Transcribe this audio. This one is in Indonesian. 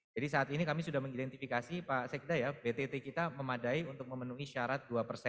jadi saat ini kami sudah mengidentifikasi pak sekda ya btt kita memadai untuk memenuhi syarat dua